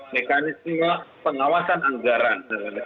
mekanisme pengawasan anggaran